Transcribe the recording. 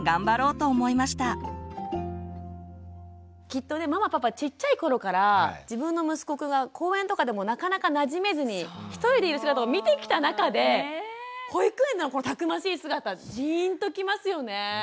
きっとねママパパちっちゃい頃から自分の息子くんが公園とかでもなかなかなじめずに一人でいる姿を見てきた中で保育園のたくましい姿ジーンときますよね。